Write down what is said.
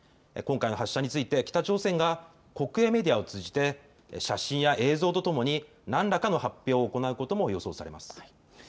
今回の発射について北朝鮮が国営メディアを通じて写真や映像とともに何らかの発表を行うことも予想されます。